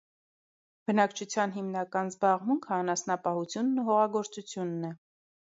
Բնակչության հիմնական զբաղմունքը անասնապահությունն ու հողագործությունն է։